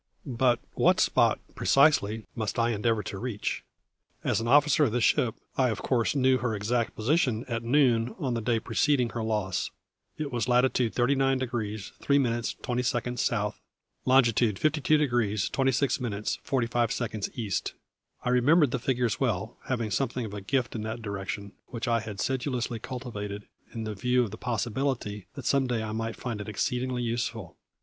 But what spot, precisely, must I endeavour to reach? As an officer of the ship I of course knew her exact position at noon on the day preceding her loss. It was Latitude 39 degrees 3 minutes 20 seconds South; Longitude 52 degrees 26 minutes 45 seconds East; I remembered the figures well, having something of a gift in that direction, which I had sedulously cultivated, in view of the possibility that some day I might find it exceedingly useful.